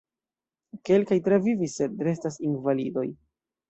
Kelkaj travivis sed restas invalidoj.